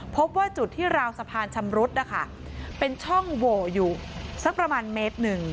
พบว่าจุดที่ราวสะพานชำรุดนะคะเป็นช่องโหวอยู่สักประมาณเมตรหนึ่ง